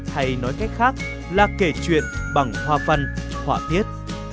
hay nói cách khác là kể chuyện bằng hòa văn hỏa tiết